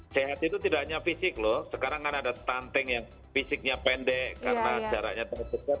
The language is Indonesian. sehat itu tidak hanya fisik loh sekarang kan ada stunting yang fisiknya pendek karena jaraknya terdekat